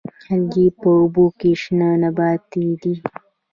الجی په اوبو کې شنه نباتات دي